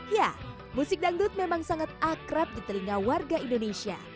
ya musik dangdut memang sangat akrab di telinga warga indonesia